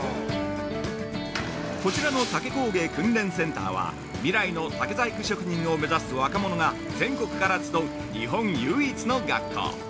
こちらの竹工芸訓練センターは未来の竹細工職人を目指す若者が全国から集う日本唯一の学校。